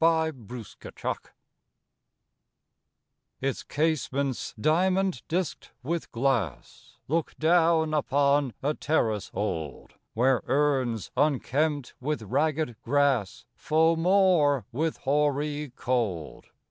THE HAUNTED ROOM Its casements, diamond disked with glass, Look down upon a terrace old, Where urns, unkempt with ragged grass, Foam o'er with hoary cold.